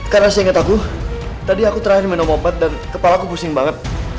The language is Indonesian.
karena seinget aku tadi aku terakhir minum obat dan kepala aku pusing banget